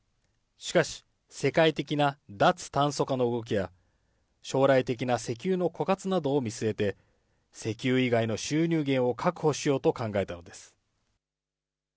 しかし、世界的な脱炭素化の動きや、将来的な石油の枯渇などを見据えて、石油以外の収入源を確保しようと考えたのです。